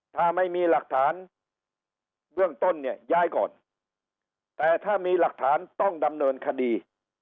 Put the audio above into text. ถ้าไม่มีหลักฐานเบื้องต้นเนี่ยย้ายก่อนแต่ถ้ามีหลักฐานต้องดำเนินคดี